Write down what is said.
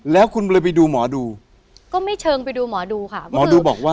แล้วคุณเลยไปดูหมอดูก็ไม่เชิงไปดูหมอดูค่ะหมอดูบอกว่า